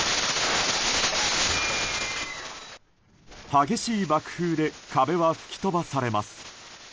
激しい爆風で壁は吹き飛ばされます。